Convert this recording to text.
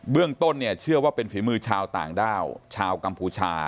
เรื่องต้นเนี่ยเชื่อว่าเป็นฝีมือชาวต่างด้าวชาวกัมพูชา